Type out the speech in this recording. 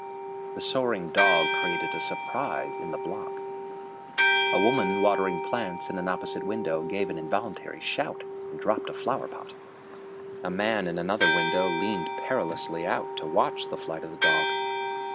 The soaring dog created a surprise in the block. A woman watering plants in an opposite window gave an involuntary shout and dropped a flower pot. A man in another window leaned perilously out to watch the flight of the dog.